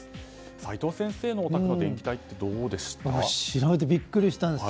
齋藤先生のお宅の電気代はどうでしたか？